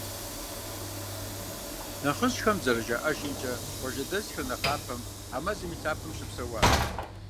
Нэхъыжьхэм зэрыжаӏэжымкӏэ, къуажэдэсхэр нэхъапэм а мэзым и лъапэм щыпсэуащ.